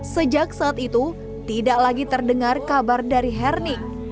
sejak saat itu tidak lagi terdengar kabar dari herning